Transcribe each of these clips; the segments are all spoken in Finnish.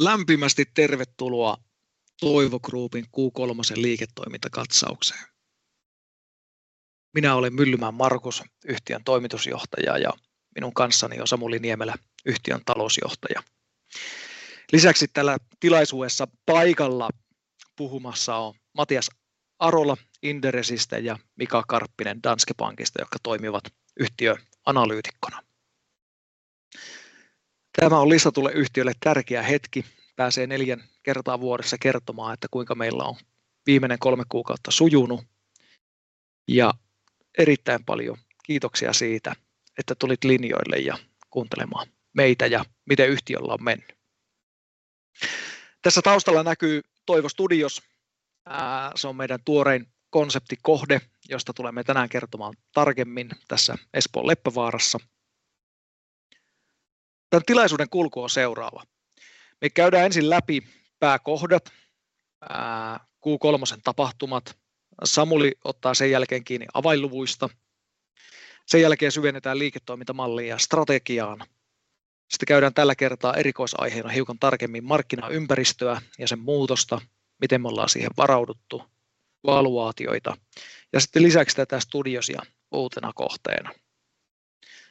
Lämpimästi tervetuloa Toivo Groupin Q3:n liiketoimintakatsaukseen. Minä olen Markus Myllymäki, yhtiön toimitusjohtaja ja minun kanssani on Samuli Niemelä, yhtiön talousjohtaja. Lisäksi tällä tilaisuudessa paikalla puhumassa on Matias Arola Inderesistä ja Mika Karppinen Danske Bankista, jotka toimivat yhtiöanalyytikkona. Tämä on listatulle yhtiölle tärkeä hetki. Pääsee neljän kertaa vuodessa kertomaan, että kuinka meillä on viimeinen kolme kuukautta sujunut. Erittäin paljon kiitoksia siitä, että tulit linjoille ja kuuntelemaan meitä ja miten yhtiöllä on mennyt. Tässä taustalla näkyy Toivo Studios. Se on meidän tuorein konseptikohde, josta tulemme tänään kertomaan tarkemmin tässä Espoon Leppävaarassa. Tämän tilaisuuden kulku on seuraava. Me käydään ensin läpi pääkohdat. Q3:n tapahtumat. Samuli ottaa sen jälkeen kiinni avainluvuista. Sen jälkeen syvennytään liiketoimintamalliin ja strategiaan. Sitten käydään tällä kertaa erikoisaiheena hiukan tarkemmin markkinaympäristöä ja sen muutosta. Miten me ollaan siihen varauduttu. Valuaatioita ja sitten lisäksi tätä Studiosia uutena kohteena.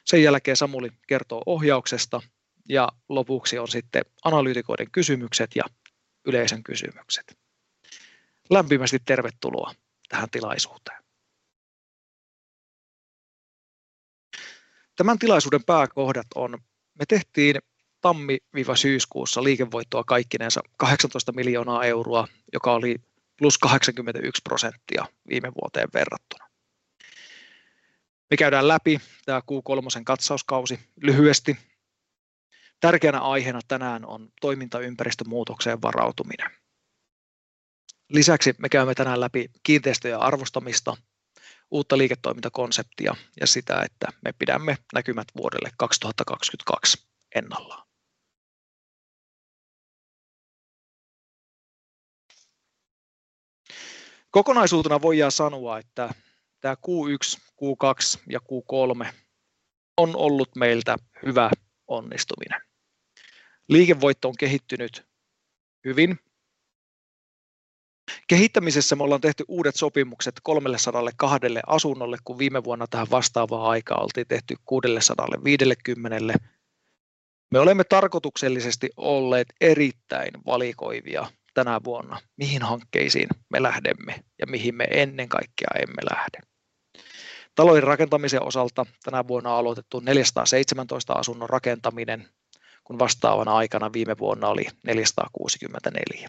Sen jälkeen Samuli kertoo ohjauksesta ja lopuksi on sitten analyytikoiden kysymykset ja yleisön kysymykset. Lämpimästi tervetuloa tähän tilaisuuteen. Tämän tilaisuuden pääkohdat on. Me tehtiin tammi-syyskuussa liikevoittoa kokonaisuudessaan EUR 18 million, joka oli +81% viime vuoteen verrattuna. Me käydään läpi tämä Q3 katsauskausi lyhyesti. Tärkeänä aiheena tänään on toimintaympäristömuutokseen varautuminen. Lisäksi me käymme tänään läpi kiinteistöjen arvostamista, uutta liiketoimintakonseptia ja sitä, että me pidämme näkymät vuodelle 2022 ennallaan. Kokonaisuutena voidaan sanoa, että tämä Q1, Q2 ja Q3 on ollut meiltä hyvä onnistuminen. Liikevoitto on kehittynyt hyvin. Kehittämisessä me ollaan tehty uudet sopimukset 324 asunnolle, kun viime vuonna tähän vastaavaan aikaan oltiin tehty 615. Me olemme tarkoituksellisesti olleet erittäin valikoivia tänä vuonna. Mihin hankkeisiin me lähdemme ja mihin me ennen kaikkea emme lähde. Talojen rakentamisen osalta tänä vuonna on aloitettu 414 asunnon rakentaminen, kun vastaavana aikana viime vuonna oli 464.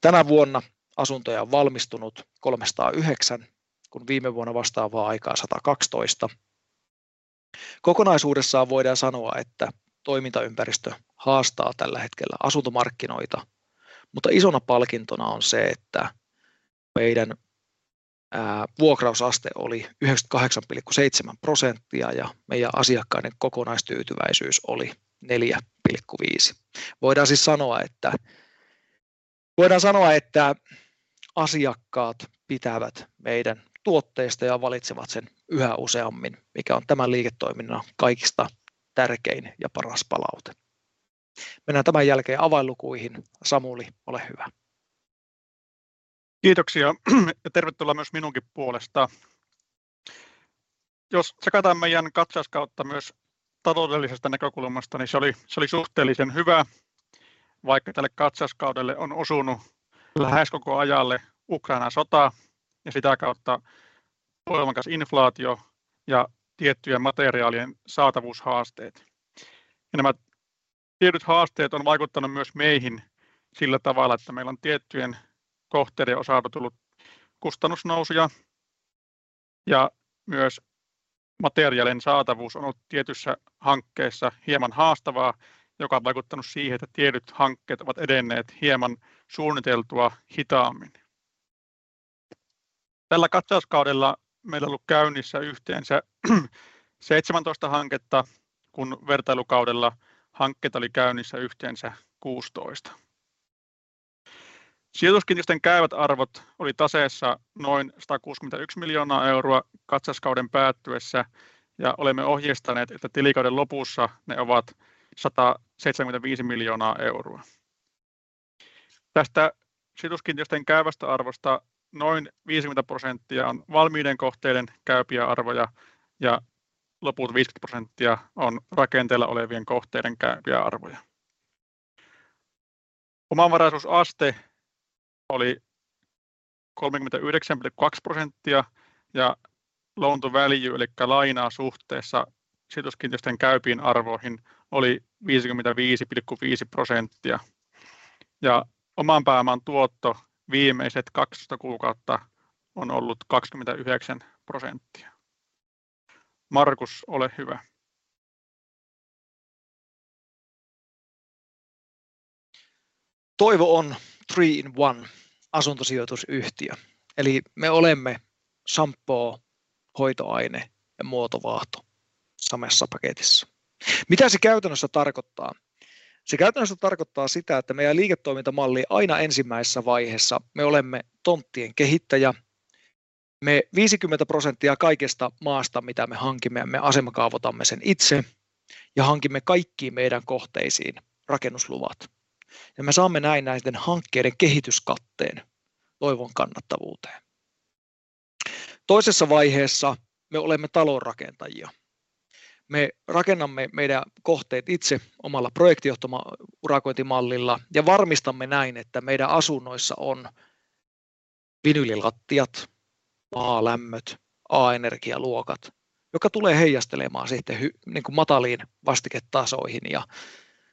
Tänä vuonna asuntoja on valmistunut 308, kun viime vuonna vastaavaan aikaan 112. Kokonaisuudessaan voidaan sanoa, että toimintaympäristö haastaa tällä hetkellä asuntomarkkinoita, mutta isona palkintona on se, että meidän vuokrausaste oli 98.7% ja meidän asiakkaiden kokonaistyytyväisyys oli 4.5. Voidaan sanoa, että asiakkaat pitävät meidän tuotteista ja valitsevat sen yhä useammin, mikä on tämän liiketoiminnan kaikista tärkein ja paras palaute. Mennään tämän jälkeen avainlukuihin. Samuli, ole hyvä. Kiitoksia ja tervetuloa myös minunkin puolesta. Jos tsekataan meidän katsauskautta myös taloudellisesta näkökulmasta, niin se oli. Se oli suhteellisen hyvä, vaikka tälle katsauskaudelle on osunut lähes koko ajalle Ukrainan sota ja sitä kautta voimakas inflaatio ja tiettyjen materiaalien saatavuushaasteet. Nämä tietyt haasteet on vaikuttanut myös meihin sillä tavalla, että meillä on tiettyjen kohteiden osalta tullut kustannusnousuja ja myös materiaalien saatavuus on ollut tietyissä hankkeissa hieman haastavaa, joka on vaikuttanut siihen, että tietyt hankkeet ovat edenneet hieman suunniteltua hitaammin. Tällä katsauskaudella meillä on ollut käynnissä yhteensä 17 hanketta, kun vertailukaudella hankkeita oli käynnissä yhteensä 16. Sijoituskiinteistöjen käyvät arvot oli taseessa noin EUR 161 million katsauskauden päättyessä ja olemme ohjeistaneet, että tilikauden lopussa ne ovat EUR 175 million. Tästä sijoituskiinteistöjen käyvästä arvosta noin 50% on valmiiden kohteiden käyviä arvoja ja loput 50% on rakenteilla olevien kohteiden käyviä arvoja. Omavaraisuusaste oli 39.2% ja Loan-to-Value eli lainaa suhteessa sijoituskiinteistöjen käypään arvoon oli 55.5%. Oman pääoman tuotto viimeiset 12 kuukautta on ollut 29%. Markus, ole hyvä. Toivo on three in one -asuntosijoitusyhtiö. Eli me olemme sampoo, hoitoaine ja muotovaahto samassa paketissa. Mitä se käytännössä tarkoittaa? Se käytännössä tarkoittaa sitä, että meidän liiketoimintamalli aina ensimmäisessä vaiheessa me olemme tonttien kehittäjä. Me 50% kaikesta maasta mitä me hankimme, me asemakaavoitamme sen itse ja hankimme kaikkiin meidän kohteisiin rakennusluvat. Me saamme näin näiden hankkeiden kehityskatten Toivon kannattavuuteen. Toisessa vaiheessa me olemme talonrakentajia. Me rakennamme meidän kohteet itse omalla projektijohtourakointimallilla ja varmistamme näin, että meidän asunnoissa on vinyylilattiat, maalämmöt, A-energialuokka, jotka tulee heijastelemaan sitten niinku mataliin vastiketasoihin.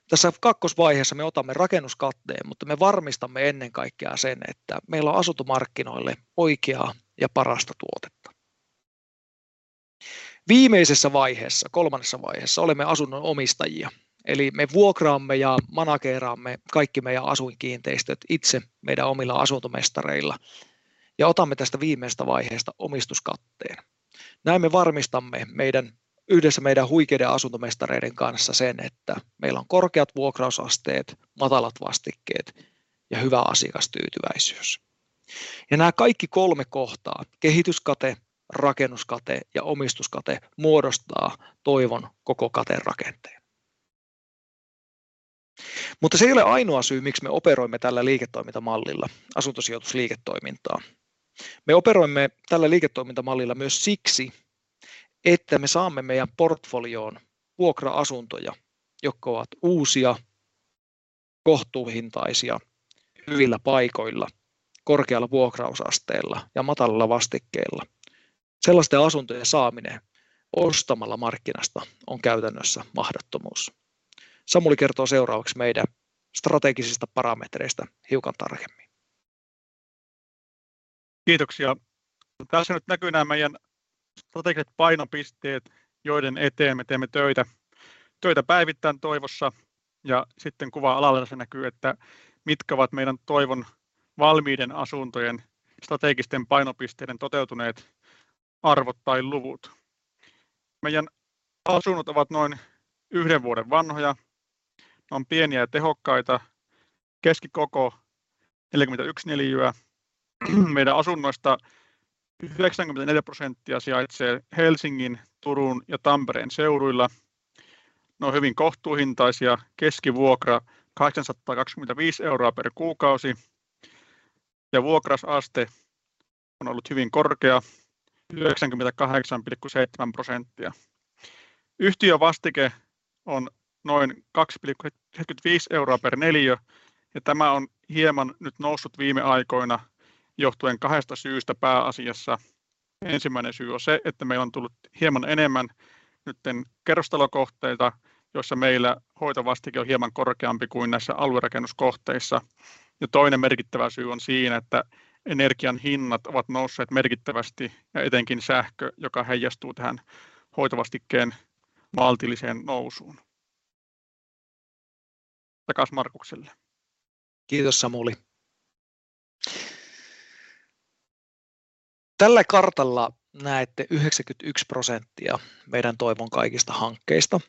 Tässä kakkosvaiheessa me otamme rakennuskatten. Me varmistamme ennen kaikkea sen, että meillä on asuntomarkkinoille oikeaa ja parasta tuotetta. Viimeisessä vaiheessa, kolmannessa vaiheessa olemme asunnon omistajia. Eli me vuokraamme ja manageeraamme kaikki meidän asuinkiinteistöt itse meidän omilla asuntomestareilla ja otamme tästä viimeisestä vaiheesta omistuskatten. Näin me varmistamme meidän yhdessä huikeiden asuntomestareiden kanssa sen, että meillä on korkeat vuokrausasteet, matalat vastikkeet ja hyvä asiakastyytyväisyys. Nää kaikki kolme kohtaa kehityskate, rakennuskate ja omistuskate muodostaa Toivon koko katerakenteen. Se ei ole ainoa syy, miksi me operoimme tällä liiketoimintamallilla asuntosijoitusliiketoimintaa. Me operoimme tällä liiketoimintamallilla myös siksi, että me saamme meidän portfolioon vuokra-asuntoja, jotka ovat uusia, kohtuuhintaisia, hyvillä paikoilla, korkealla vuokrausasteella ja matalalla vastikkeella. Sellaisten asuntojen saaminen ostamalla markkinasta on käytännössä mahdottomuus. Samuli kertoo seuraavaksi meidän strategisista parametreistä hiukan tarkemmin. Kiitoksia! Tässä nyt näkyy nää meidän strategiset painopisteet, joiden eteen me teemme töitä päivittäin Toivossa. Sitten kuvan alalaidassa näkyy, että mitkä ovat meidän Toivon valmiiden asuntojen strategisten painopisteiden toteutuneet arvot tai luvut. Meidän asunnot ovat noin yhden vuoden vanhoja. Ne on pieniä ja tehokkaita. Keskikoko 41 neliötä. Meidän asunnoista 94% sijaitsee Helsingin, Turun ja Tampereen seuduilla. Ne on hyvin kohtuuhintaisia. Keskivuokra EUR 825 per kuukausi ja vuokrausaste on ollut hyvin korkea 98.7%. Yhtiövastike on noin EUR 2.75 per neliö ja tämä on hieman nyt noussut viime aikoina johtuen kahdesta syystä pääasiassa. Ensimmäinen syy on se, että meillä on tullut hieman enemmän nyt kerrostalokohteita, joissa meillä hoitovastike on hieman korkeampi kuin näissä aluerakennuskohteissa. Toinen merkittävä syy on siinä, että energian hinnat ovat nousseet merkittävästi ja etenkin sähkö, joka heijastuu tähän hoitovastikkeen maltilliseen nousuun. Takaisin Markukselle. Kiitos Samuli! Tällä kartalla näette 96% meidän Toivon kaikista hankkeista.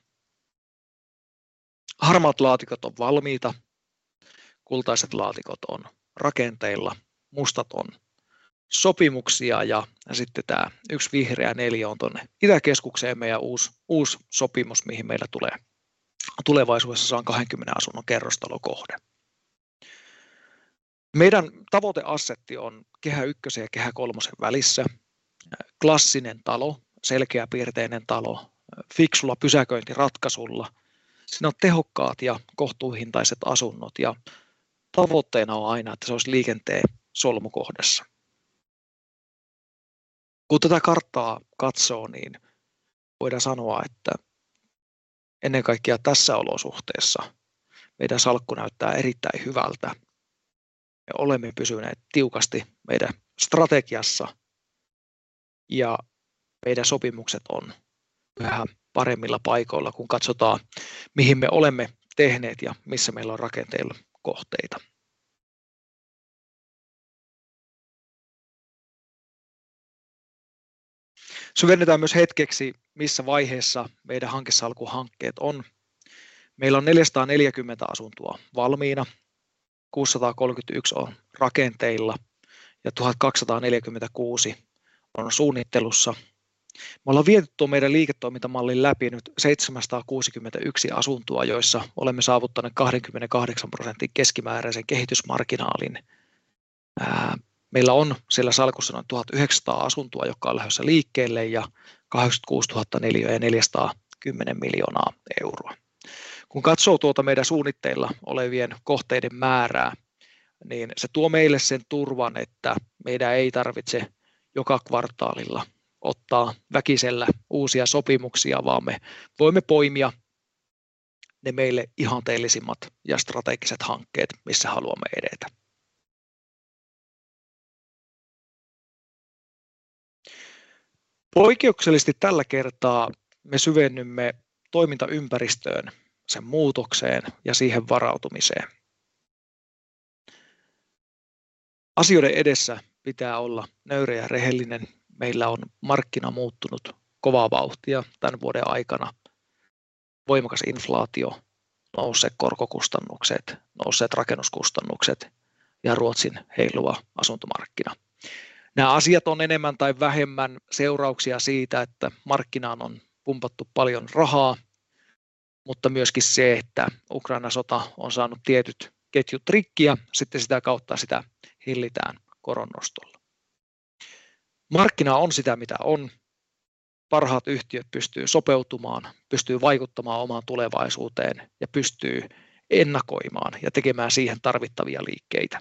Harmaat laatikot on valmiita, kultaiset laatikot on rakenteilla, mustat on sopimuksia ja sitten tämä yksi vihreä neliö on tuonne Itäkeskukseen meidän uusi sopimus mihin meillä tulee tulevaisuudessa se on 20 asunnon kerrostalokohde. Meidän tavoiteassetti on Kehä I:n ja Kehä III:n välissä. Klassinen talo, selkeäpiirteinen talo fiksulla pysäköintiratkaisulla. Siinä on tehokkaat ja kohtuuhintaiset asunnot ja tavoitteena on aina, että se olisi liikenteen solmukohdassa. Kun tätä karttaa katsoo, voidaan sanoa, että ennen kaikkea tässä olosuhteessa meidän salkku näyttää erittäin hyvältä ja olemme pysyneet tiukasti meidän strategiassa ja meidän sopimukset on yhä paremmilla paikoilla, kun katsotaan mihin me olemme tehneet ja missä meillä on rakenteilla kohteita. Syvennytään myös hetkeksi missä vaiheessa meidän hankesalkun hankkeet on. Meillä on 444 asuntoa valmiina, 603 on rakenteilla ja 1,246 on suunnittelussa. Me ollaan viety tuo meidän liiketoimintamalli läpi nyt 761 asuntoa, joissa olemme saavuttaneet 28% keskimääräisen kehitysmarginaalin. Meillä on siellä salkussa noin 1 900 asuntoa, jotka on lähdössä liikkeelle ja 86 000 neliötä ja EUR 410 million. Kun katsoo tuota meidän suunnitteilla olevien kohteiden määrää, niin se tuo meille sen turvan, että meidän ei tarvitse joka kvartaalilla ottaa väkisellä uusia sopimuksia, vaan me voimme poimia ne meille ihanteellisimmat ja strategiset hankkeet, missä haluamme edetä. Poikkeuksellisesti tällä kertaa me syvennymme toimintaympäristöön, sen muutokseen ja siihen varautumiseen. Asioiden edessä pitää olla nöyrä ja rehellinen. Meillä on markkina muuttunut kovaa vauhtia tämän vuoden aikana. Voimakas inflaatio, nousseet korkokustannukset, nousseet rakennuskustannukset ja Ruotsin heiluva asuntomarkkina. Nää asiat on enemmän tai vähemmän seurauksia siitä, että markkinaan on pumpattu paljon rahaa, mutta myös se, että Ukrainan sota on saanut tietyt ketjut rikki ja sitten sitä kautta sitä hillitään korkonostolla. Markkina on sitä mitä on. Parhaat yhtiöt pystyy sopeutumaan, pystyy vaikuttamaan omaan tulevaisuuteen ja pystyy ennakoimaan ja tekemään siihen tarvittavia liikkeitä.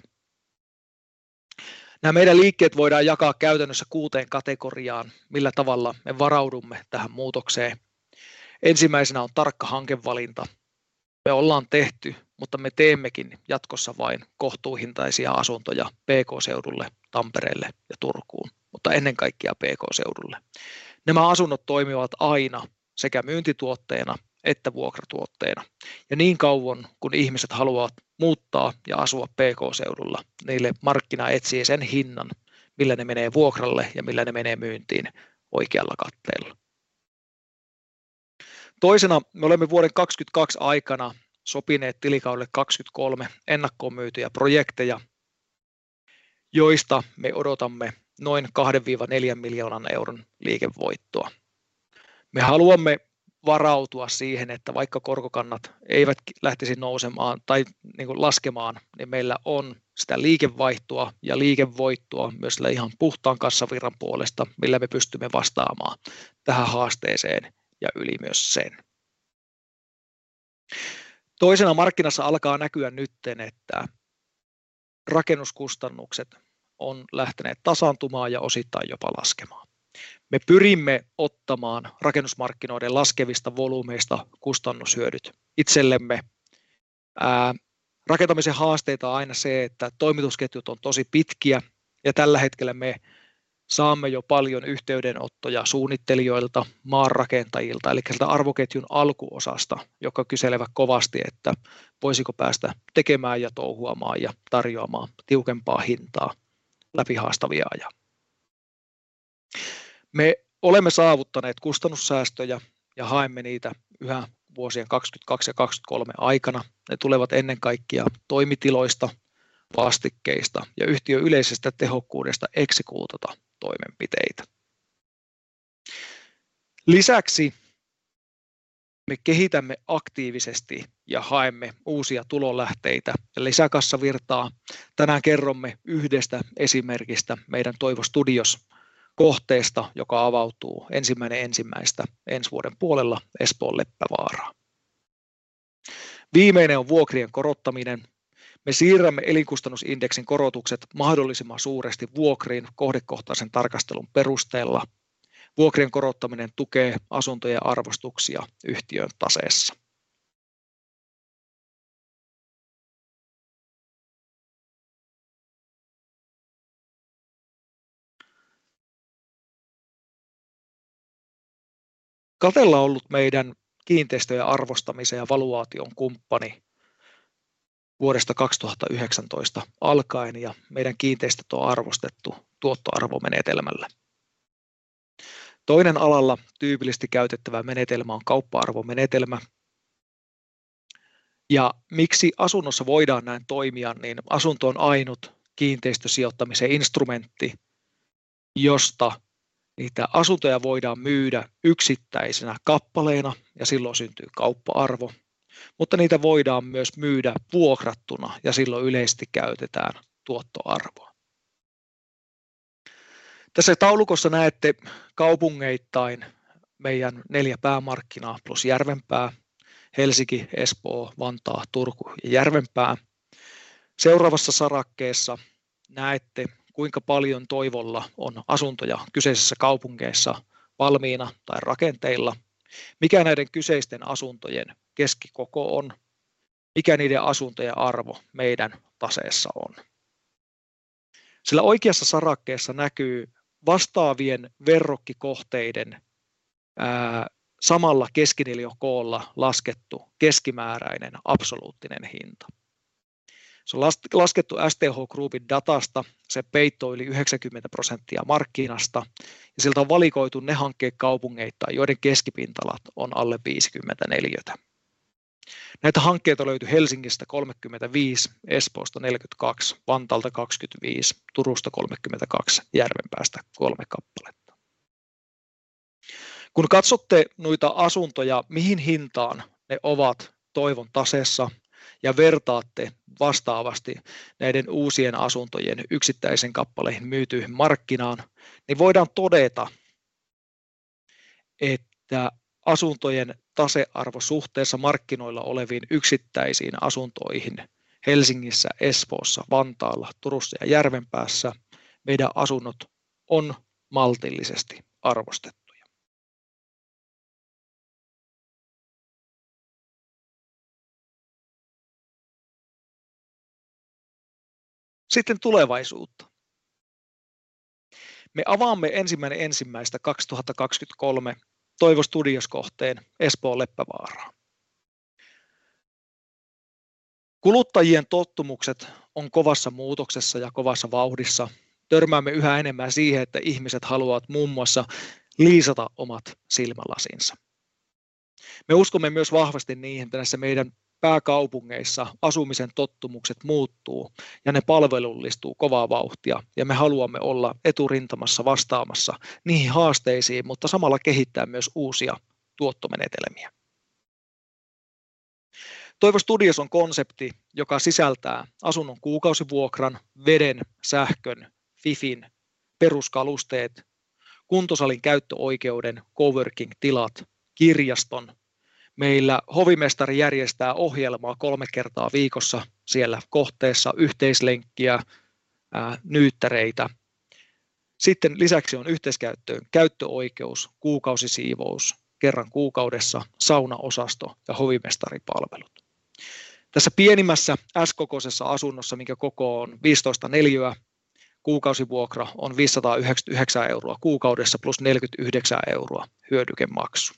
Nää meidän liikkeet voidaan jakaa käytännössä kuuteen kategoriaan. Millä tavalla me varaudumme tähän muutokseen? Ensimmäisenä on tarkka hankevalinta. Me ollaan tehty, mutta me teemmekin jatkossa vain kohtuuhintaisia asuntoja PK-seudulle, Tampereelle ja Turkuun, mutta ennen kaikkea PK-seudulle. Nämä asunnot toimivat aina sekä myyntituotteena että vuokratuotteena. Ja niin kauan kun ihmiset haluavat muuttaa ja asua PK-seudulla, niille markkina etsii sen hinnan, millä ne menee vuokralle ja millä ne menee myyntiin oikealla katteella. Toisena. Me olemme vuoden 2022 aikana sopineet tilikaudelle 2023 ennakkoon myytyjä projekteja, joista me odotamme noin EUR 2.4 miljoonaa liikevoittoa. Me haluamme varautua siihen, että vaikka korkokannat eivät lähtisi nousemaan tai niin kuin laskemaan, niin meillä on sitä liikevaihtoa ja liikevoittoa myös sillä ihan puhtaan kassavirran puolesta, millä me pystymme vastaamaan tähän haasteeseen ja yli myös sen. Toisena markkinassa alkaa näkyä nyt, että rakennuskustannukset ovat lähteneet tasaantumaan ja osittain jopa laskemaan. Me pyrimme ottamaan rakennusmarkkinoiden laskevista volyymien kustannushyödyt itsellemme. Rakentamisen haasteita on aina se, että toimitusketjut ovat tosi pitkiä ja tällä hetkellä me saamme jo paljon yhteydenottoja suunnittelijoilta, maanrakentajilta eli sieltä arvoketjun alkuosasta, jotka kyselevät kovasti, että voisiko päästä tekemään ja touhuamaan ja tarjoamaan tiukempaa hintaa läpi haastavien aikojen. Me olemme saavuttaneet kustannussäästöjä ja haemme niitä yhä vuosien 2022 ja 2023 aikana. Ne tulevat ennen kaikkea toimitiloista, vastikkeista ja yhtiön yleisestä tehokkuudesta toteuttamalla toimenpiteitä. Lisäksi me kehitämme aktiivisesti ja haemme uusia tulonlähteitä ja lisäkassavirtaa. Tänään kerromme yhdestä esimerkistä meidän Toivo Studios -kohteesta, joka avautuu ensimmäistä ensi vuoden puolella Espoon Leppävaaraan. Viimeinen on vuokrien korottaminen. Me siirrämme elinkustannusindeksin korotukset mahdollisimman suuresti vuokriin kohdekohtaisen tarkastelun perusteella. Vuokrien korottaminen tukee asuntojen arvostuksia yhtiön taseessa. Catella on ollut meidän kiinteistöjen arvostamisen ja valuation kumppani vuodesta 2019 alkaen ja meidän kiinteistöt on arvostettu tuottoarvomenetelmällä. Toinen alalla tyypillisesti käytettävä menetelmä on kauppa-arvomenetelmä. Miksi asunnossa voidaan näin toimia, niin asunto on ainut kiinteistösijoittamisen instrumentti, josta niitä asuntoja voidaan myydä yksittäisenä kappaleena ja silloin syntyy kauppa-arvo. Neitä voidaan myös myydä vuokrattuna ja silloin yleisesti käytetään tuottoarvoa. Tässä taulukossa näette kaupungeittain meidän 4 päämarkkinaa plus Järvenpää, Helsinki, Espoo, Vantaa, Turku ja Järvenpää. Seuraavassa sarakkeessa näette, kuinka paljon Toivolla on asuntoja kyseisessä kaupungeissa valmiina tai rakenteilla, mikä näiden kyseisten asuntojen keskikoko on, mikä niiden asuntojen arvo meidän taseessa on. Siellä oikeassa sarakkeessa näkyy vastaavien verrokkikohteiden ja samalla keskineliöhinnalla laskettu keskimääräinen absoluuttinen hinta. Se on laskettu STH-Groupin datasta. Se peittää yli 90% markkinasta ja siltä on valikoitu ne hankkeet kaupungeittain, joiden keskipinta-alat on alle 50 neliötä. Näitä hankkeita löytyi Helsingistä 35, Espoosta 42, Vantaalta 25, Turusta 32, Järvenpäästä 3 kappaletta. Kun katsotte noita asuntoja, mihin hintaan ne ovat Toivon taseessa ja vertaatte vastaavasti näiden uusien asuntojen yksittäisen kappaleen myytyyn markkinaan, niin voidaan todeta, että asuntojen tasearvo suhteessa markkinoilla oleviin yksittäisiin asuntoihin Helsingissä, Espoossa, Vantaalla, Turussa ja Järvenpäässä meidän asunnot on maltillisesti arvostettuja. Tulevaisuutta. Me avaamme ensimmäistä 2023 Toivo Studios -kohteen Espoon Leppävaaraan. Kuluttajien tottumukset on kovassa muutoksessa ja kovassa vauhdissa. Törmäämme yhä enemmän siihen, että ihmiset haluavat muun muassa liisata omat silmälasinsa. Me uskomme myös vahvasti niihin, että näissä meidän pääkaupungeissa asumisen tottumukset muuttuu ja ne palvelullistuu kovaa vauhtia ja me haluamme olla eturintamassa vastaamassa niihin haasteisiin, mutta samalla kehittää myös uusia tuottomenetelmiä. Toivo Studios on konsepti, joka sisältää asunnon kuukausivuokran, veden, sähkön, WiFin, peruskalusteet, kuntosalin käyttöoikeuden, coworking tilat, kirjaston. Meillä hovimestari järjestää ohjelmaa 3 kertaa viikossa siellä kohteessa. Yhteislenkkiä, nyyttäreitä. Lisäksi on yhteiskäyttöön käyttöoikeus, kuukausisiivous kerran kuukaudessa, saunaosasto ja hovimestaripalvelut. Tässä pienimmässä S-kokoisessa asunnossa, minkä koko on 15 neliötä, kuukausivuokra on EUR 508 kuukaudessa plus EUR 49 hyödykemaksu.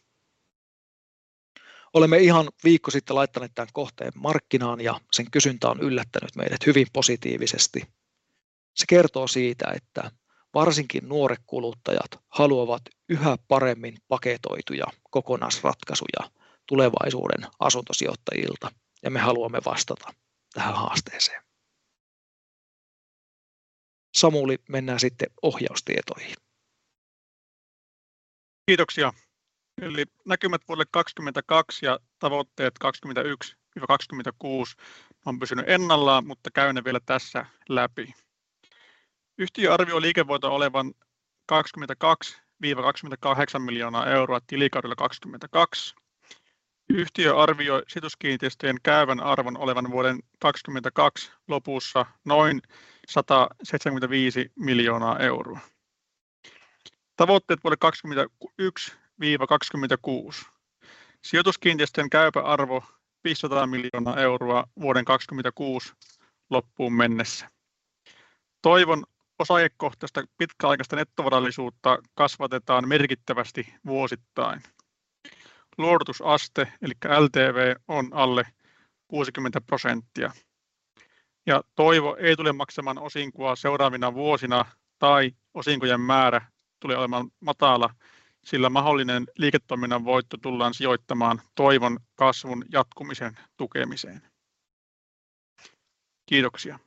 Olemme ihan viikko sitten laittaneet tämän kohteen markkinaan ja sen kysyntä on yllättänyt meidät hyvin positiivisesti. Se kertoo siitä, että varsinkin nuoret kuluttajat haluavat yhä paremmin paketoituja kokonaisratkaisuja tulevaisuuden asuntosijoittajilta ja me haluamme vastata tähän haasteeseen. Samuli, mennään sitten ohjeistuksiin. Kiitoksia. Näkymät vuodelle 2022 ja tavoitteet 2021-2026 on pysynyt ennallaan, mutta käyn ne vielä tässä läpi. Yhtiö arvioi liikevoiton olevan EUR 22-28 million tilikaudella 2022. Yhtiö arvioi sijoituskiinteistöjen käyvän arvon olevan vuoden 2022 lopussa noin EUR 175 million. Tavoitteet vuodelle 2021-2026. Sijoituskiinteistöjen käypä arvo EUR 500 million vuoden 2026 loppuun mennessä. Toivon osakekohtaista pitkäaikaista nettovarallisuutta kasvatetaan merkittävästi vuosittain. Luototusaste eli LTV on alle 60% ja Toivo ei tule maksamaan osinkua seuraavina vuosina tai osinkojen määrä tulee olemaan matala, sillä mahdollinen liiketoiminnan voitto tullaan sijoittamaan Toivon kasvun jatkumisen tukemiseen. Kiitoksia.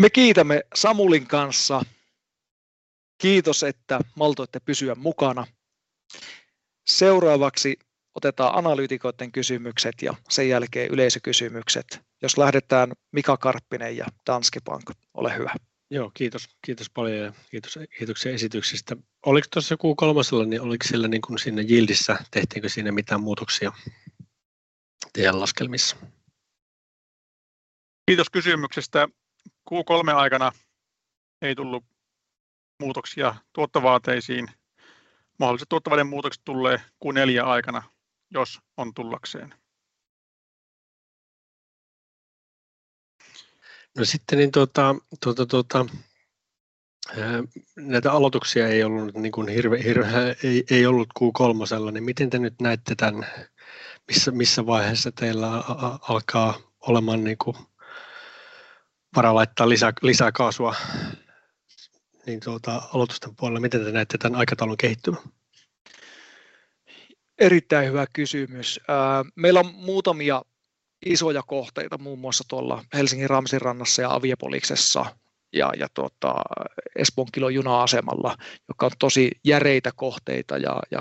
Me kiitämme Samulin kanssa. Kiitos, että maltoitte pysyä mukana. Seuraavaksi otetaan analyytikoiden kysymykset ja sen jälkeen yleisökysymykset. Jos lähdetään. Mika Karppinen ja Danske Bank. Ole hyvä. Joo, kiitos. Kiitos paljon ja kiitoksia esityksestä. Oliko tuossa joku Q3:lle, niin oliko siellä niin kuin siinä yieldissä tehtiinkö siinä mitään muutoksia teidän laskelmissa? Kiitos kysymyksestä. Q3 aikana ei tullut muutoksia tuottovaateisiin. Mahdolliset tuottovaateen muutokset tulee Q4 aikana, jos on tullakseen. Nämä aloituksia ei ollut nyt niin kuin hirveä ei ollut Q kolmosella, miten te nyt näette tän? Missä vaiheessa teillä alkaa olemaan niin kuin vara laittaa lisää kaasua aloitusten puolella. Miten te näette tän aikataulun kehittymän? Erittäin hyvä kysymys. Meillä on muutamia isoja kohteita muun muassa tuolla Helsingin Ramsinrannassa ja Aviapoliksessa ja tuota Espoon Kiloon juna-asemalla, jotka on tosi järeitä kohteita.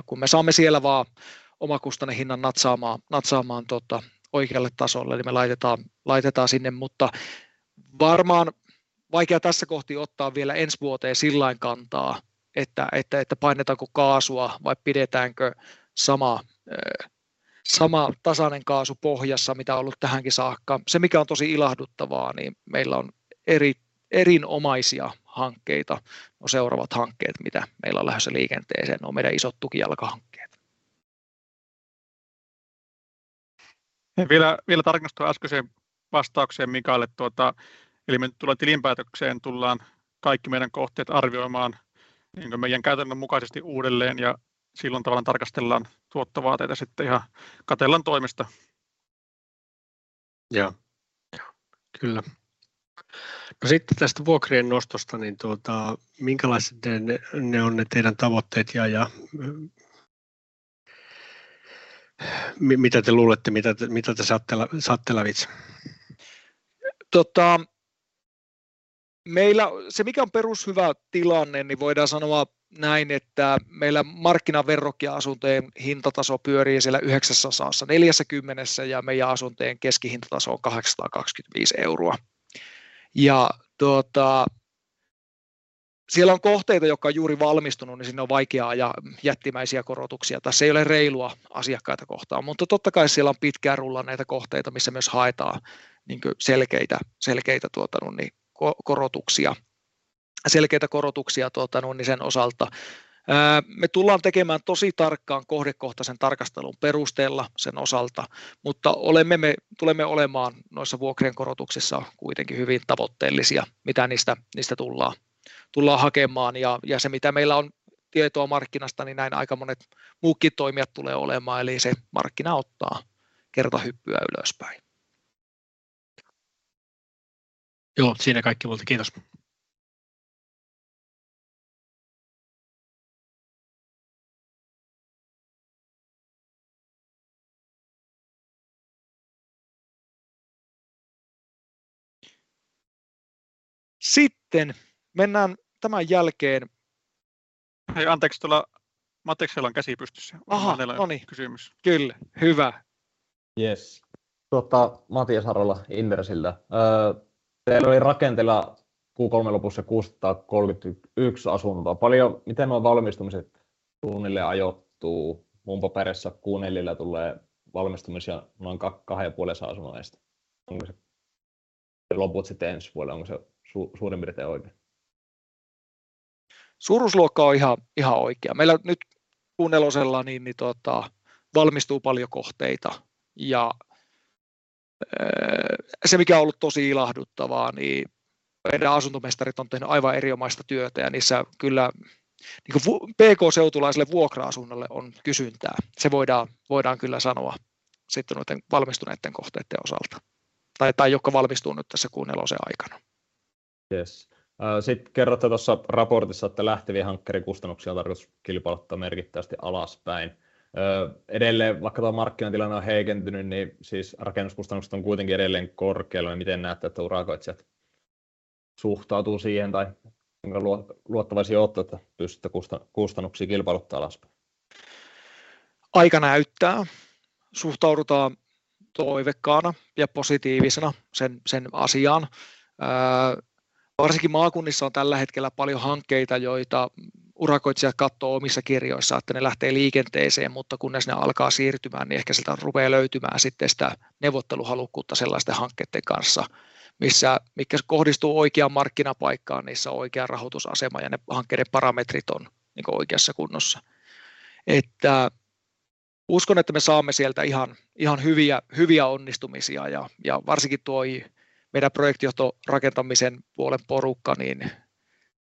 Kun me saamme siellä vaan omakustannehinnan natsaamaan tota oikealle tasolle, niin me laitetaan sinne. Varmaan vaikea tässä kohti ottaa vielä ensi vuoteen kantaa, että painetaanko kaasua vai pidetäänkö sama tasainen kaasu pohjassa mitä on ollut tähänkin saakka. Se mikä on tosi ilahduttavaa, niin meillä on erinomaisia hankkeita. On seuraavat hankkeet mitä meillä on lähdössä liikenteeseen. Ne on meidän isot tukijalkahankkeet. Vielä tarkennus tuohon äskeniseen vastaukseen Mikalle. Me nyt tullaan tilinpäätökseen kaikki meidän kohteet arvioimaan niinku meidän käytännön mukaisesti uudelleen ja silloin tavallaan tarkastellaan tuottovaateita sitten ihan Catellan toimesta. Joo kyllä. No tästä vuokrien nostosta niin, minkälaiset ne on ne teidän tavoitteet ja. Mitä te luulette, mitä te saatte lävitse? Meillä se mikä on perushyvä tilanne, niin voidaan sanoa näin, että meillä markkinaverrokkiasuntojen hintataso pyörii siellä 9.40 EUR:ssa ja meidän asuntojen keskihintataso on 825 EUR. Siellä on kohteita, jotka on juuri valmistunut, niin sinne on vaikea ajaa jättimäisiä korotuksia. Tässä ei ole reilua asiakkaita kohtaan, mutta totta kai siellä on pitkään rullanneita kohteita, missä myös haetaan niinku selkeitä korotuksia sen osalta. Me tullaan tekemään tosi tarkkaan kohdekohtaisen tarkastelun perusteella sen osalta. Me tulemme olemaan noissa vuokrien korotuksissa kuitenkin hyvin tavoitteellisia. Mitä niistä tullaan hakemaan ja se mitä meillä on tietoa markkinasta, niin näin aika monet muutkin toimijat tulee olemaan. Se markkina ottaa kertahyppyä ylöspäin. Joo, siinä kaikki multa. Kiitos. Mennään tämän jälkeen. Hei, anteeksi, tuolla Matiasella on käsi pystyssä. Onko teillä kysymys? Kyllä, hyvä. Jes. Tota, Matias Arola, Inderes. Teillä oli rakenteilla Q3:n lopussa 630 asuntoa. Miten nuo valmistumiset suunnilleen ajoittuu? Mun paperissa Q4:llä tulee valmistumisia noin 250 asunnosta. Onko se loput sitten ensi vuodelle? Onko se suurin piirtein oikein? Suuruusluokka on ihan oikea. Meillä nyt Q4:llä valmistuu paljon kohteita. Se mikä on ollut tosi ilahduttavaa, niin meidän asuntomestarit on tehnyt aivan erinomaista työtä ja niissä kyllä niinkuin PK-seutulaiselle vuokra-asunnolle on kysyntää. Se voidaan kyllä sanoa sitten noiden valmistuneiden kohteiden osalta. Jotka valmistuu nyt tässä Q4:n aikana. Jes. Kerrotte tuossa raportissa, että lähtevien hankkeiden kustannuksia on tarkoitus kilpailuttaa merkittävästi alaspäin. Edelleen, vaikka tuo markkinatilanne on heikentynyt, niin siis rakennuskustannukset on kuitenkin edelleen korkealla. Miten näette, että urakoitsijat suhtautuu siihen tai minkä luottavaisia ootte, että pystytte kustannuksia kilpailuttaa alaspäin? Aika näyttää. Suhtaudutaan toiveikkaana ja positiivisena sen asiaan. Varsinkin maakunnissa on tällä hetkellä paljon hankkeita, joita urakoitsijat katsoo omissa kirjoissa, että ne lähtee liikenteeseen, mutta kunnes ne alkaa siirtymään, niin ehkä sieltä rupeaa löytymään sitten sitä neuvotteluhalukkuutta sellaisten hankkeitten kanssa, missä mitkä kohdistuu oikeaan markkinapaikkaan, niissä on oikea rahoitusasema ja ne hankkeiden parametrit on niinku oikeassa kunnossa. Uskon, että me saamme sieltä ihan hyviä onnistumisia ja varsinkin tuo meidän projektijohto rakentamisen puolen porukka, niin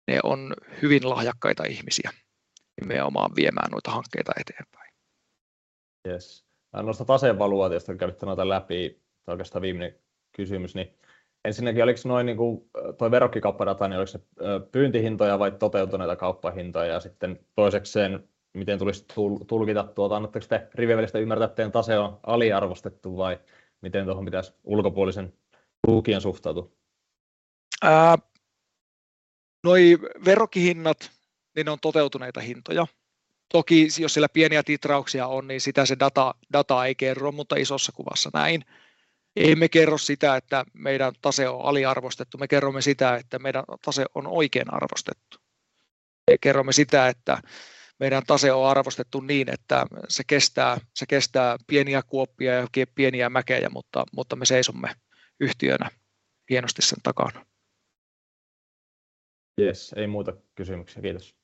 ne on hyvin lahjakkaita ihmisiä nimenomaan viemään noita hankkeita eteenpäin. Jes. Noista taseen valuaatioista ootte käynyt noita läpi. Tää on oikeastaan viimeinen kysymys. Niin ensinnäkin oliko noi niinku toi verrokkikauppadata, niin oliko ne pyyntihintoja vai toteutuneita kauppahintoja? Ja sitten toisekseen, miten tulisi tulkita tuota? Annatteks te rivien välistä ymmärtää, että teidän tase on aliarvostettu vai miten tuohon pitäisi ulkopuolisen lukijan suhtautua? Noi verrokkihinnat, niin ne on toteutuneita hintoja. Toki jos siellä pieniä titrauksia on, niin sitä se data ei kerro, mutta isossa kuvassa näin. Emme kerro sitä, että meidän tase on aliarvostettu. Me kerromme sitä, että meidän tase on oikein arvostettu. Kerromme sitä, että meidän tase on arvostettu niin, että se kestää. Se kestää pieniä kuoppia ja pieniä mäkiä. Me seisomme yhtiönä hienosti sen takana. Jes, ei muuta kysymyksiä. Kiitos.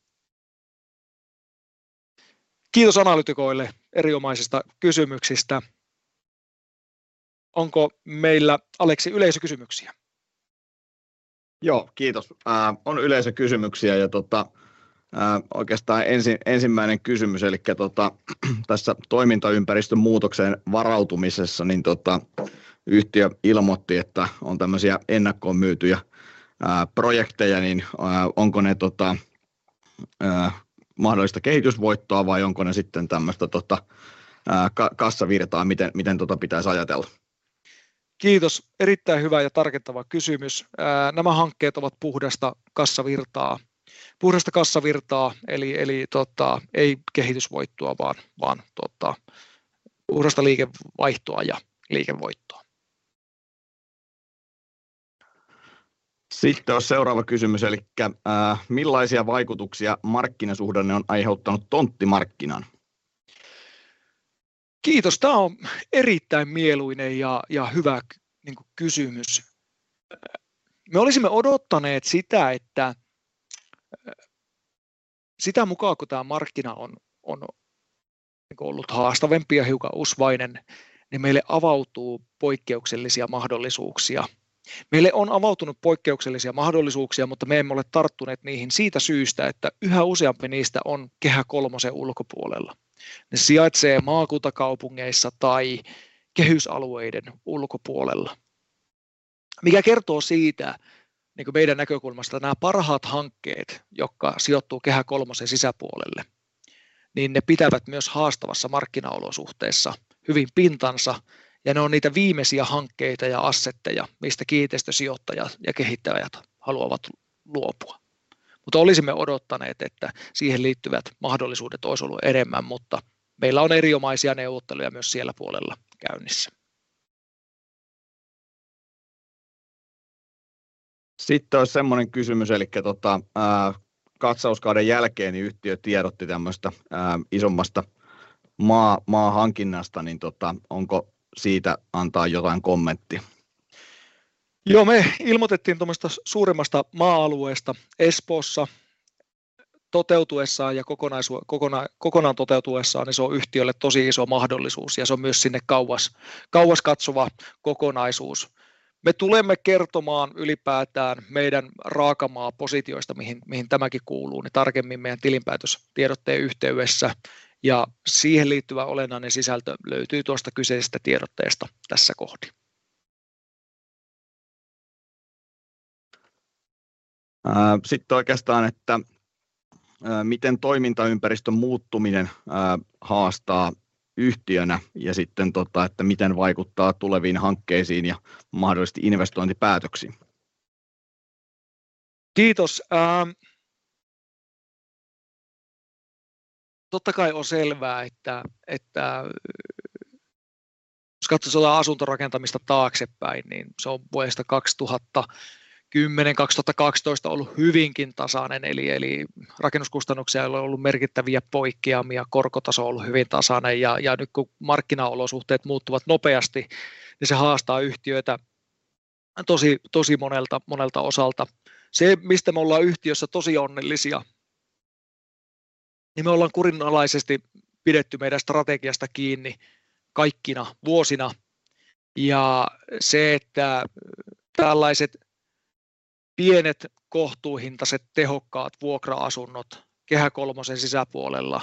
Kiitos analyytikoille erinomaisista kysymyksistä. Onko meillä Aleksi yleisökysymyksiä? Joo, kiitos. On yleisökysymyksiä ja oikeastaan ensin ensimmäinen kysymys. Elikkä tässä toimintaympäristön muutokseen varautumisessa yhtiö ilmoitti, että on tällaisia ennakkoon myytyjä projekteja. Onko ne mahdollista kehitysvoittoa vai onko ne sitten tämmöistä kassavirtaa? Miten pitäisi ajatella? Kiitos. Erittäin hyvä ja tarkentava kysymys. Nämä hankkeet ovat puhdasta kassavirtaa. Eli tota ei kehitysvoittoa vaan tuota puhdasta liikevaihtoa ja liikevoittoa. Ois seuraava kysymys. Elikkä millaisia vaikutuksia markkinasuhdanne on aiheuttanut tonttimarkkinaan? Kiitos. Tää on erittäin mieluinen ja hyvä niinku kysymys. Me olisimme odottaneet sitä, että sitä mukaa kun tää markkina on niinku ollut haastavampi ja hiukan usvainen, niin meille avautuu poikkeuksellisia mahdollisuuksia. Meille on avautunut poikkeuksellisia mahdollisuuksia, mutta me emme ole tarttuneet niihin siitä syystä, että yhä useampi niistä on Kehä kolmosen ulkopuolella. Ne sijaitsee maakuntakaupungeissa tai kehysalueiden ulkopuolella. Mikä kertoo siitä niinku meidän näkökulmasta, että nää parhaat hankkeet, jotka sijoittuu Kehä kolmosen sisäpuolelle, niin ne pitävät myös haastavassa markkinaolosuhteessa hyvin pintansa, ja ne on niitä viimeisiä hankkeita ja assetteja, mistä kiinteistösijoittajat ja -kehittäjät haluavat luopua. Olisimme odottaneet, että siihen liittyvät mahdollisuudet olisi ollut enemmän. Meillä on erinomaisia neuvotteluja myös siellä puolella käynnissä. Olisi semmoinen kysymys. Katsauskauden jälkeen yhtiö tiedotti tämmöisestä isommasta maahankinnasta, onko siitä antaa jotain kommenttia? Joo, me ilmoitettiin tällaisesta suuremmasta maa-alueesta Espoossa. Toteutuessaan ja kokonaisuuden kokonaan toteutuessaan se on yhtiölle tosi iso mahdollisuus ja se on myös sinne kauas katsova kokonaisuus. Me tulemme kertomaan ylipäätään meidän raakamaapositioista, mihin tämäkin kuuluu, tarkemmin meidän tilinpäätöstiedotteen yhteydessä ja siihen liittyvä olennainen sisältö löytyy tuosta kyseisestä tiedotteesta tässä kohdin. Oikeastaan, että miten toimintaympäristön muuttuminen haastaa yhtiönä? Että miten vaikuttaa tuleviin hankkeisiin ja mahdollisesti investointipäätöksiin? Kiitos. Totta kai on selvää, että. Jos katsoo jotain asuntorakentamista taaksepäin, niin se on vuodesta 2010-2012 ollut hyvinkin tasainen. Eli rakennuskustannuksissa ei ole ollut merkittäviä poikkeamia. Korkotaso on ollut hyvin tasainen ja nyt kun markkinaolosuhteet muuttuvat nopeasti, niin se haastaa yhtiöitä tosi monelta osalta. Se mistä me ollaan yhtiössä tosi onnellisia, niin me ollaan kurinalaisesti pidetty meidän strategiasta kiinni kaikkina vuosina. Ja se, että tällaiset pienet, kohtuuhintaiset, tehokkaat vuokra-asunnot Kehä kolmosen sisäpuolella,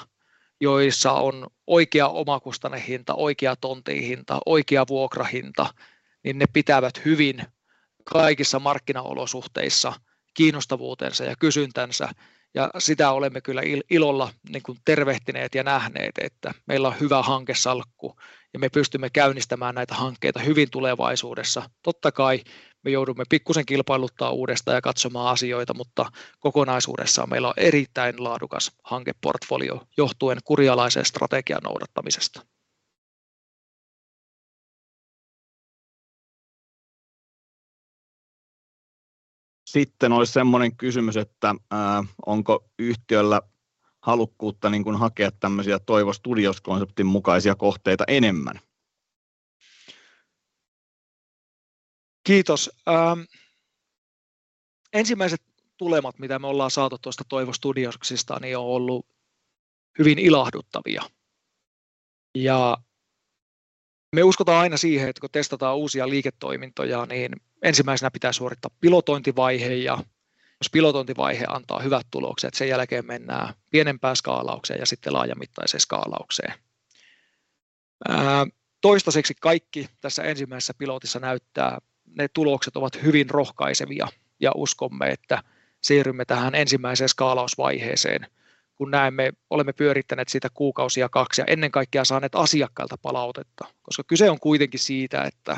joissa on oikea omakustannehinta, oikea tontin hinta, oikea vuokrahinta, niin ne pitävät hyvin kaikissa markkinaolosuhteissa kiinnostavuutensa ja kysyntänsä. Ja sitä olemme kyllä ilolla niinkun tervehtineet ja nähneet, että meillä on hyvä hankesalkku ja me pystymme käynnistämään näitä hankkeita hyvin tulevaisuudessa. Totta kai me joudumme pikkusen kilpailuttamaan uudestaan ja katsomaan asioita, mutta kokonaisuudessaan meillä on erittäin laadukas hankeportfolio johtuen kurinalaisen strategian noudattamisesta. olisi semmonen kysymys, että onko yhtiöllä halukkuutta niinkun hakea tämmösiä Toivo Studios -konseptin mukaisia kohteita enemmän? Kiitos. Ensimmäiset tulokset mitä me ollaan saatu tuosta Toivo Studiosista niin on ollut hyvin ilahduttavia. Me uskotaan aina siihen, että kun testataan uusia liiketoimintoja, niin ensimmäisenä pitää suorittaa pilotointivaihe. Jos pilotointivaihe antaa hyvät tulokset, sen jälkeen mennään pienempään skaalaukseen ja sitten laajamittaiseen skaalaukseen. Toistaiseksi kaikki tässä ensimmäisessä pilotissa näyttää ne tulokset ovat hyvin rohkaisevia ja uskomme, että siirrymme tähän ensimmäiseen skaalausvaiheeseen, kun näemme. Olemme pyörittäneet sitä 2 kuukautta ja ennen kaikkea saatu asiakkailta palautetta. Koska kyse on kuitenkin siitä, että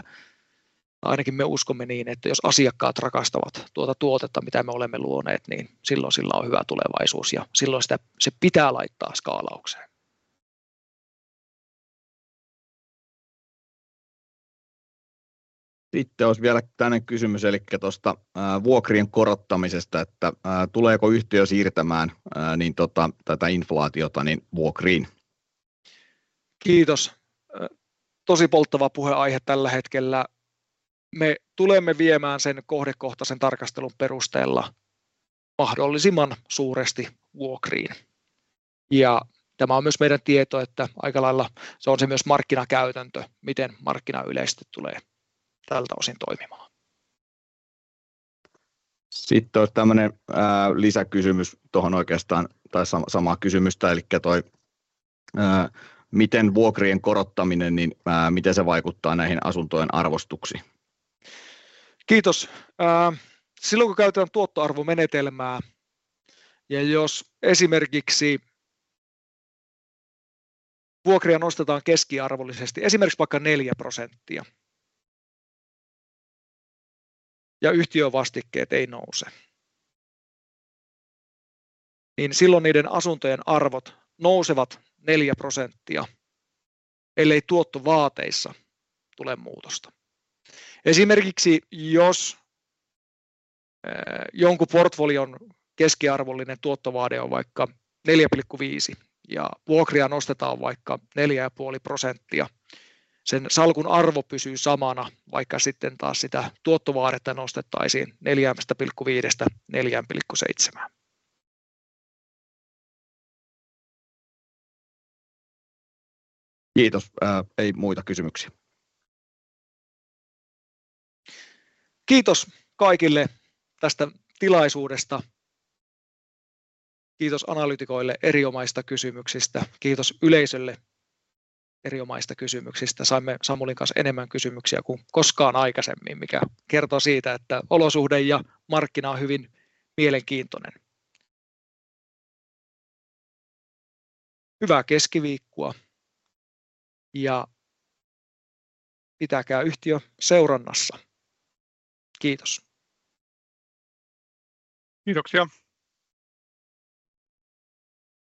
ainakin me uskomme niin, että jos asiakkaat rakastavat tuota tuotetta mitä me olemme luoneet, niin silloin sillä on hyvä tulevaisuus ja silloin sitä pitää laittaa skaalaukseen. Sitten ois vielä tällainen kysymys elikkä tästä vuokrien korottamisesta, että tuleeko yhtiö siirtämään niin tätä inflaatiota niin vuokriin? Kiitos. Tosi polttava puheaihe tällä hetkellä. Me tulemme viemään sen kohdekohtaisen tarkastelun perusteella mahdollisimman suuresti vuokriin. Tämä on myös meidän tieto, että aikalailla se on se myös markkinakäytäntö miten markkina yleisesti tulee tältä osin toimimaan. Olis tällainen lisäkysymys tuohon oikeastaan. Tai samaa kysymystä. Eli tuo miten vuokrien korottaminen niin miten se vaikuttaa näihin asuntojen arvostuksiin? Kiitos. Silloin kun käytetään tuottoarvomenetelmää ja jos esimerkiksi vuokria nostetaan keskimääräisesti esimerkiksi vaikka 4%. Yhtiövastikkeet ei nouse. Silloin niiden asuntojen arvot nousevat 4%, ellei tuottovaatimuksissa tule muutosta. Esimerkiksi jos jonkun portfolion keskimääräinen tuottovaade on vaikka 4.5% ja vuokria nostetaan vaikka 4.5%, sen salkun arvo pysyy samana, vaikka sitten taas sitä tuottovaadetta nostettaisiin 4.5%:sta 4.7%:ään. Kiitos. Ei muita kysymyksiä. Kiitos kaikille tästä tilaisuudesta. Kiitos analyytikoille erinomaisista kysymyksistä. Kiitos yleisölle erinomaisista kysymyksistä. Saimme Samulin kanssa enemmän kysymyksiä kuin koskaan aikaisemmin, mikä kertoo siitä, että olosuhde ja markkina on hyvin mielenkiintoinen. Hyvää keskiviikkoa ja pitäkää yhtiö seurannassa. Kiitos. Kiitoksia!